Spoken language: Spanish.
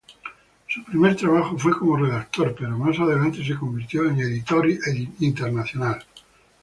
Su primer trabajo fue como redactor, pero más adelante se convirtió en editor internacional.